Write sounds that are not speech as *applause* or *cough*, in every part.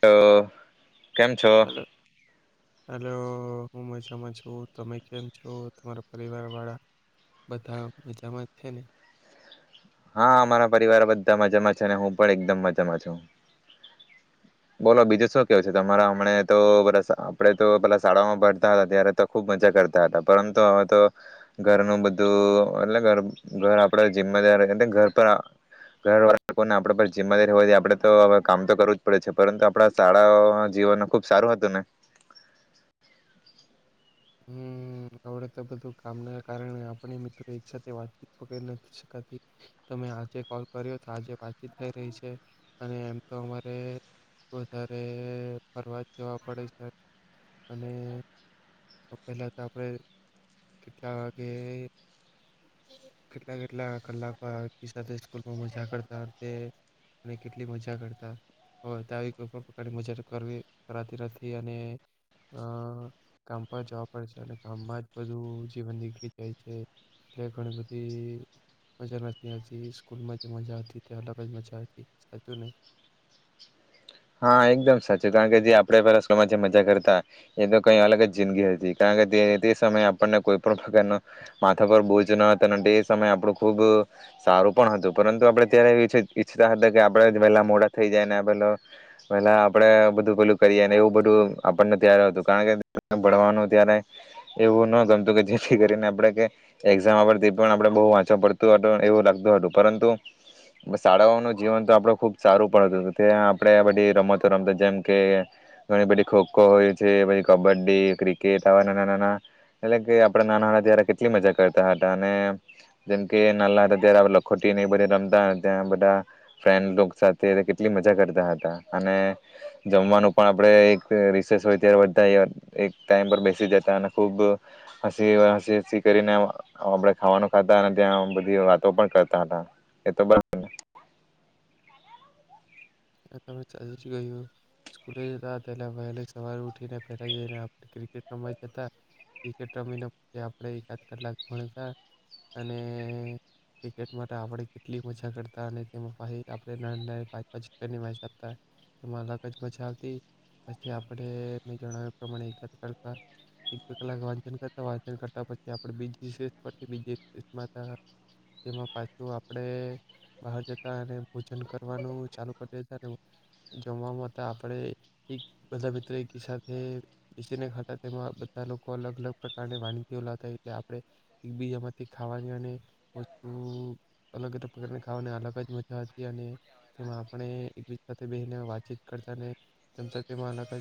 તો કેમ છો? Hello hello! હું મજામાં છું તમે કેમ છો? તમારા પરિવાર વાળા બધા મજામાં છે ને? હા, અમારા પરિવાર બધા મજામાં છે અને હું પણ એકદમ મજામાં છું. બોલો બીજું શું કેવું છે તમારા? હમણા તો આપડ તો પેલા શાળાઓમાં ભણતા હતા ત્યારે તો ખુબ મજા કરતા હતા પરંતુ હવે તો ઘરનું બધું એટલે ઘર આપડ જિમ્મેદાર એટલે ઘર તો ઘરવાળા લોકો ને આપણે પર જિમ્મેદારી હોવાથી આપડે તો હવે કામ તો કરવું જ પડે છે પરંતુ આપણા શાળાઓ જીવન ખુબ સારું હતું ને? હમ્મ, આવડે તો બધું કામના કારણે આપણે મિત્રો એક સાથે વાતચીત કરી નથી શકાતી તમે આજે કોલ કર્યો તો આજે વાતચીત થઈ રહી છે અને એમ તો અમારે વધારે ફરવા જવા પડે છે અને પહેલા તો આપડે કેટલા વાગે કેટલા કેટલા કલાક સાથે સ્કૂલમાં મજા કરતા તે ને કેટલી મજા કરતા આવી કોઈ પણ પ્રકારની મજા કરવી કરાતી નથી અને અ કામ પર જોવા પડે છે અને કામમાં જ બધું જીવન નીકળી જાય છે એટલે ઘણી બધી મજા નથી આવતી ને સ્કૂલમાં જે મજા હતી તે અલગ જ મજા હતી. સાચું ને? હા, એકદમ સાચું કારણ કે જે આપણેે પેલામાં જે મજા કરતા એ તો કઈ અલગ જ જિંદગી હતી કારણ કે તે સમયે આપણને કોઈ પણ પ્રકારનો માથા પર બોજ ન હતા એ સમયે આપણું ખૂબ સારું પણ હતું પરંતુ આપણે ત્યારે *unintelligible* ઈચ્છતા હતા કે આપણેે જ વેહલા મોડા થઈ જાય ને પેલો પેહલા આપડે બધું પેલું કરીએ ને એવું બધું આપણને ત્યારે હતું કારણ કે ભણવાનું ત્યારે એવું ન ગમતું કે જેથી કરીને આપણે કે એક્ઝામ આપ પણ બહુ વાંચો પડતું હતું એવું લાગતું હતું પરંતુ શાળાઓનું જીવન તો આપડ ખુબ સારું પડતું હતું તે આ પણે આ બધી રમતો રમતા જેમ કે ઘણી બધી ખો ખો હોય છે, કબડ્ડી, ક્રિકેટ આવા નાના-નાના એટલે કે આપડા નાના હતા ત્યારે કેટલી મજા કરતા હતા અને જેમકે નાલા હતા ત્યારે લખોટી ને એ બધા રમતા ત્યાં બધા ફેન્ડ લોક સાથે કેટલી મજા કરતા હતા. અને જમવાનું પણ આપણે રિસેસ હોય ત્યારે ટાઈમ પર બેસી જતા અને ખુબ હસી હસી હસી કરીને આપણે ખાવાનું ખાતા અને ત્યાં બધી વાતો પણ કરતા હતા એતો બબરને તે તમે સાચું જ કહ્યુ સ્કુલે જતા વહે સવાર ઉઠીને પહેલા જને ક્રિકેટ રમવા જતા ક્રિકેટ રમીને પછી આપણે એકાદ કલાક ભણતા અને ક્રિકેટ માટે આપણે કેટલી મજા કરતા અને તેમા પાછી નાહી નાહી ને આપણે પછી રન નહી મારી સકતા એમાં અલગ જ મજા આવતી પછી આપણે તમે જણાયું એ પ્રમાણે એકાદ કલાક એક બે કલાક વાંચન કરતા કરતા પછી આપણે બીજી એક *inaudible* તેમાં પાછુ આપણે બહાર જતા અને ભોજન કરવાનું ચાલું કર દેતાન જમવામાં તો આપણે બધા મિત્રો એકી સાથે બેસીને તે બધા લોકો અલગ અલગ પ્રકારની વાનગી લાવતા ઓ આપણે એકબીજામાંથી ખાવાની વસ્તુ અલગ અલગ પ્રકાર ખાવાની અલગ જ મજા હતી અને તેમાં આપણે એકબીજા સાથે બેને વાતચીત કરતા અને *inaudible* તેમાં અલગ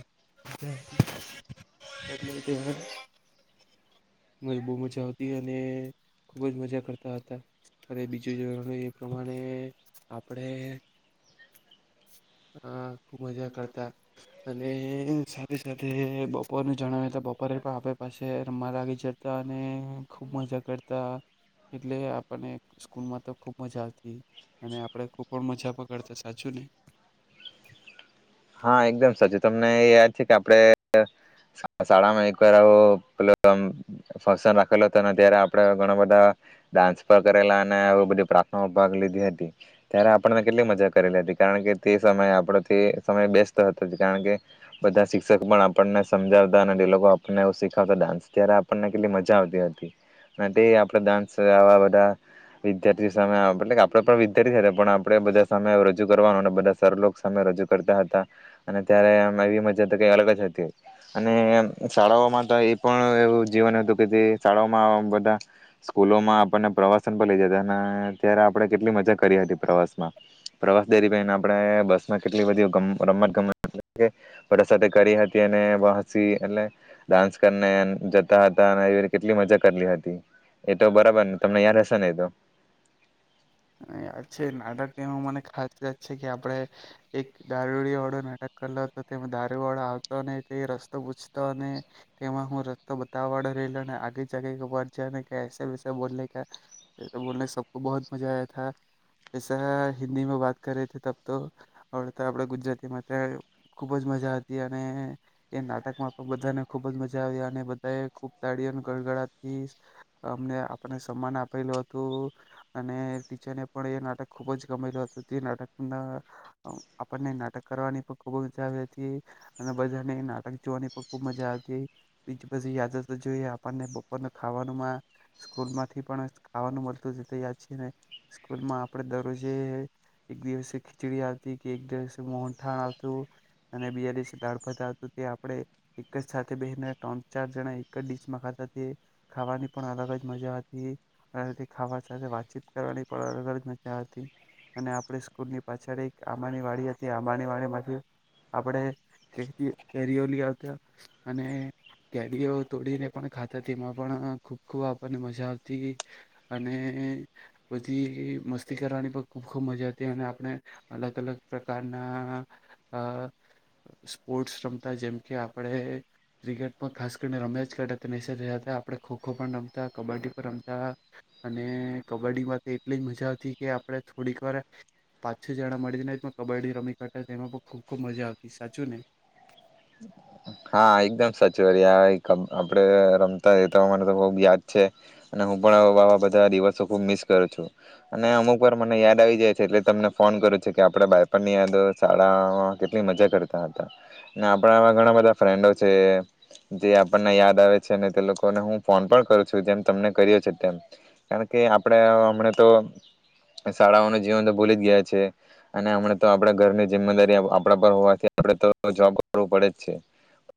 બહ મજા આવતી અને ખુબ જ મજા કરતા હતા અ બીજું એ પ્રમાણે આપણે હ ખુબ મજા કરતા અને સાથે સાથે બપોરેનું જણાવ્યું તો બપોરે પણ આપે પાસે રમવા લાગી જતા અને ખુબ મજા કરતા એટલે આપણને સ્કૂલમાં તો ખુબ મજા આવતી અને આપે ખુબ પણ મજા વગડતા સાચું ને હા એકદમ સાચું તમને યાદ છે કે આપણે શાળામાં એકવાર આવ પે ફંક્શન રાખેલો હતો ત્યારે આપણે ઘણા બધા ડાન્સ પર કરેલા અને આવ બધી પ્રાર્થના ભાગ લીધી હતી ત્યારે આપણને કેટલી મજા કરેલી હતી કારણ કે તે સમયે આપડ સમય બેસ્ટ હતો કારણ કે બધા શિક્ષક પણ આપણને સમજાવતા અને એ લોકો આપણને એ શીખાવતા ડાન્સ ત્યારે આપણને કેટલી મજા આવતી હતી અને આપે ડાન્સ આવા બધા વિદ્યાર્થી સામે આપણેે પણ વિદ્યાર્થી હતા પણ આપણેે બધા સામે રજૂ કરવાનું બધા સરલો સામે રજૂ કરતા હતા અને ત્યારે એવી મજા તો કે અલગ જ હતી અને શાળાઓમાં તો એ પણ એવું જીવન હતું કે જે શાળાઓમાં બધા સ્કૂલોમાં આપણને પ્રવાસન પણ લઈ જતા અને ત્યારે આપણે કેટલી મજા કરી હતી પ્રવાસમાં પ્રવાસ ડેરી બેાઈને આપણે બસમાં કેટલી બધી રમત ગમત વર સાથે કરી હતી અનેસી એટ ડાન્સ કરીને જતા હતા અને એ કેટલી મજા કરલી હતી એતો બરાબર ને તમને યદ હશે ને એ તો યાદ છે નાટક એમાં મને ખાસ યાત છે કે આપણે એક દારૂડીયો વાળો નાટક કરલો હતો તે દારૂ વાળો આવતો તે રસ્તો પૂછતો અને તેમાં હું રસ્તો બતાવવા વાળો રહીલોને આગે જાગી ખબર જને વિ બો બો બ મા હિન્દી માં વાત કરી ત તો હ આપણે ગુજરાતીમાં ત્યાં ખુબ જ મજા હતી અને એ નાટકમાં પણ બધાને ખુબ જ મજા આવી અને બધા ખૂબ તાળી ગડગડાથી અમને આપણને સન્માન આપેલું હતું અને ટીચરને પણ એ નાટક ખુબ જ ગમેલું હતું તે નાટક આપણને નાટક કરવાની પણ ખુબ મજા આવી હતી અને બધાને નાટક જોવાની પણ ખુબ મજા આવી હતી બીજી બી યાદ જોઈ આપણને બપોરને ખાવાનું સ્કૂલ માંથી પણ ખાવાનું મળતું માં આપે દરરોજે એક દિવસે ખીચડી આવતી કે એક દિવસે મોહનથાળ આવતું અને બીજા દિવસે દાળભાત આવતું તે આપણે એક જ સાથે બેહીને ત્રણ ચાર જણા એક જ ડીશમાં ખાતા ખાવાની પણ અલગ જ મજા હતી ખાવા સાથે વાત ચીત કરવાની પણ અલગ જ મજા આવતી અને આપણે સ્કૂલની પાછળ એક આંબાની વાડી હતી આંબાની વાડી માંથી આપણે કેરીઓ લ આવતા અને કેરીઓ તોડીને પણ ખાતા તેમાં પણ ખૂબ ખૂબ આપણને મજા આવતી અને બધી મસ્તી કરવાની પણ ખૂબ ખૂબ મજા હતી અને આપણે અલગ અલગ પ્રકારના સ્પોર્ટ્સ રમતા જેમ કે આપણે ક્રિકેટ પણ ખાસ કરીને રમ્યા જ કરતા ન થયા હતા આપણે ખોખો પણ રમતા કબડ્ડી પણ રમતા અને કબડ્ડીમાં તો એટલી મજા આવતી કે આપણે થોડીક વાર પાછું જણા મળીને કબડ્ડી રમી કર એમાં પણ ખૂબ ખૂબ મજા આવતી સાચું ને હા એકદમ સાચ વા આપડે રમતા રહેતા હો મને તો બહુ યાદ છે અને હું પણવા બધા દિવસો ખુબ મિસ કરું છું અને અમુક વાર મને યાદ આવી જાય છે એટલે તમને ફોન કરું છે કે આપડ બાયપણ ની યાદ શાળામાં કેટલી મજા કરતા હતા અને આપણા ઘણા બધા ફ્રેન્ડો છે જે આપણને યાદ આવે છે અનેને તે લોકોને હું ફોન પણ કરું છું જેમ તમને કરી્યો છે તેમ કારણ કે આપણે હમણા તો શાળાઓનું જીવન તો ભૂલી જ ગયા છે અને હમણા તો આપડા ઘરની જિમ્મેદારી આપણા પર હોવાથી આપ તો જોબ કરવું પડે જ છે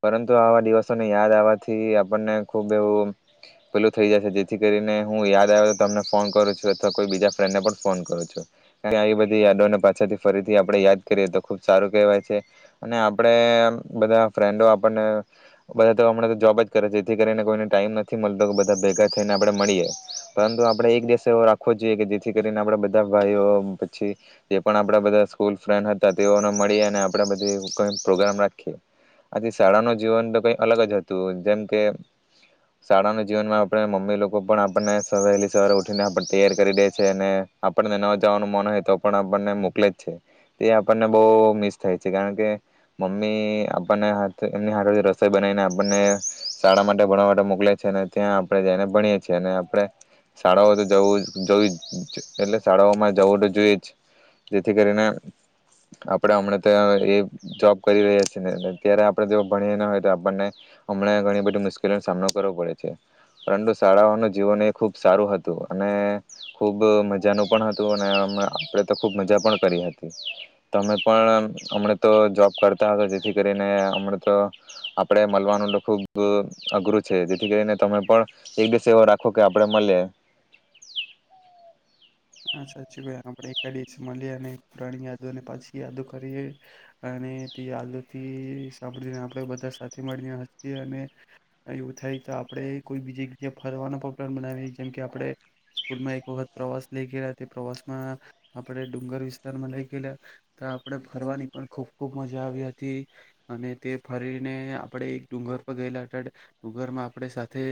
પરંતુ આવા દિવસોને યાદ આવવાથી આપણને ખુબ એવું પેલું થઈ જાય છે જેથી કરીને હું યાદ આવેમને ફોન કરું છું અથવા કો બીજા ફ્રેન્ડને પણ ફોન કરું છું કાર આવી બધી યાદોને પાછાથી ફરીથી આપણે યાદ કરીએ તો ખુબ સારું કહેવાય છે અને આપણે બધા ફ્રેન્ડો આપને બધા હમણા તો જોબ જ કરે જેથી કરીને કોઈને ટાઈમ નથી મળતો કે બધા ભેગા થઈને આપણે મળીએ પરંતુ આપણેે એક દિવસે એવો રાખવો જોઈએ કે જેથી કરીને આપ બધા ભાઈઓ પછી જે પણ આપણા બધા સ્કૂલ ફ્રેન્ડ હતા તેઓને મળીએ આપણે બધ પ્રોગ્રામ રાખીએ આથી શાળાનું જીવન તો કઈક અલગ જ હતું જેમ કે શાળા ન જીવનમાં આપણે મમ્મી લોકો પણ આપણને સવારે વહેલી સવારે ઉઠીને આપને તૈયાર કરી દે છે અને આપણને ન જવાનું મન હોય તો પણ આપણને મોકલે જ છે તે આપણને બહ મિસ થાય છે કારણ કે મમ્મી આપણને હાથ એમની હાથથી રસોઈ બનાવીને આપણને શાળા માટે ભણવા માટે મોકલે છે અને ત્યાં આપણે જઈને ભણીએ છીએ અને આપણે શાળાઓ તો જવું જોવું જ એટલે શાળાઓમાં જવું તો જોઈએ જ જેથી કરીને આપણે હમણાં તો્યા એ જોબ કરી રહ્યા છીએ ને ત્યારે આપણે જો ભણીએ ન હોય તો આપણને હમને ઘણી બધી મુશ્કેલીઓનો સામનો કરવો પડે છે પરંતુ શાળાઓનું જીવન એ ખૂબ સારું હતું અને ખૂબ મજાનું પણ હતું અને આપણે તો ખૂબ મજા પણ કરી હતી ત અમે પણ હમણા તો જોબ કરતા હતા જેથી કરી હમણાં તો, આપણેે મળવાનું ખુબ અઘરું છે જેથી કરીને તમે પણ, એક દિવસ એવો રાખો કે આપણે મળે. હા સાચી ભાઈ આપણે એકા મળ અને પુણી દોને પાછી યાદુ કરીએ, અને તે આદુ થી સાંભળને આપ બધા સાથે મળીને હસીએ અને, એવું થાય તો આપે કોઈ બીજી ફરવાના પ્લાન બનાવી જેમ આપણે સ્કૂલમાં એક વખત પ્રવાસ લઈ ગલા તે પ્રવાસમાં, આપણે ડુંગર વિસ્તારમાં લઈ ગયેલા, તો આપણે ફરવાની પણ ખૂબ ખૂબ મજા આવી હતી, અને તે ફરીને આપણે એક ડુંગર પર ગયેલા અ ડુંગરમાં આપણે સાથે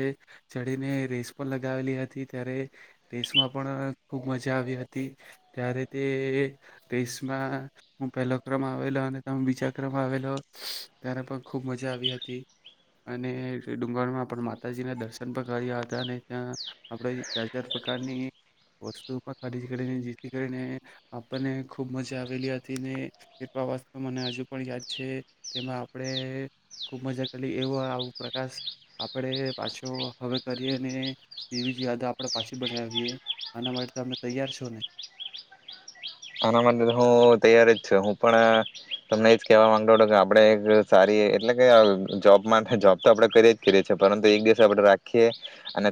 ચડીને રેસ પણ લગાવેલી હતી ત્યારે, રેસમાં પણ ખૂબ મજા આવી હતી, ત્યારે તે રસમાં હું પહેલો ક્રમ આવેલો અને ત બીજા ક્રમ આવેલો, ત્યારે પણ ખૂબ મજા આવી હતી, અને ડુંગળમાં આપ માતાજીના દર્શન પણ કર્યા હતા અને ત્યાં આપણે ચાર ચાર પ્રકારની વસ્તુ ખરીદી કરીને જેથી કરીને, આપણને ખુબ મજા આવેલી હતી ને કૃપા વાસ્તુ મને હજુ પણ યાદ છે, તેમાં આપણે ખુબ મજા કરી એવો આવું પ્રકાશ આપણે પાછો હવે કરીએ ને એવી જ યાદ આપણે પાછી બનાવીએ. આના માટે તો તમે તૈયાર છો ને? આના માટે તો હું તૈયાર જ છ હું પણ, તમને એજ કેહેવા માંગતો હતો કે આપણેે એક સારી એટલે કે જોબ માટે જોબ તો આપણે કરીએ જ કરીએ છીએ પરંતુ એક દિવસ આપડે રાખીએ, અને